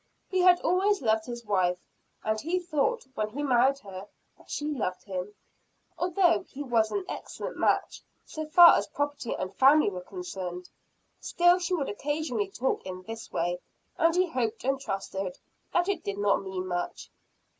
He had always loved his wife, and he thought, when he married her, that she loved him although he was an excellent match, so far as property and family were concerned. Still she would occasionally talk in this way; and he hoped and trusted that it did not mean much.